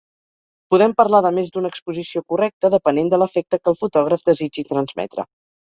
Podem parlar de més d'una exposició correcta depenent de l'efecte que el fotògraf desitgi transmetre.